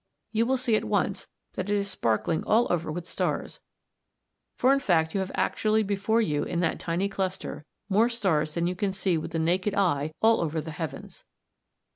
You will see at once that it is sparkling all over with stars, for in fact you have actually before you in that tiny cluster more stars than you can see with the naked eye all over the heavens!